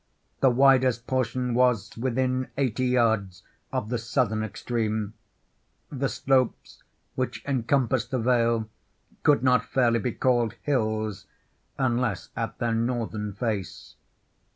The widest portion was within eighty yards of the southern extreme. The slopes which encompassed the vale could not fairly be called hills, unless at their northern face.